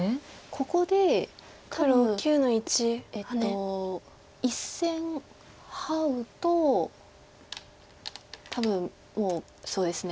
ここで多分１線ハウと多分もうそうですね。